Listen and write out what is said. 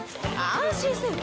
安心せい。